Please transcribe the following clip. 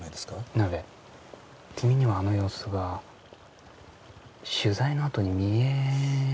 ナベ君にはあの様子が取材のあとに見えー。